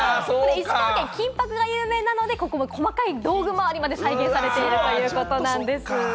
石川県は金箔が有名なので、ここは細かな道具周りまで表現されているんです。